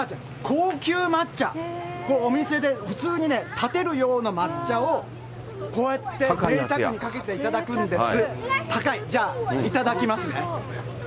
高級抹茶、お店で普通にね、たてるような抹茶を、こうやってぜいたくにかけていただくんです。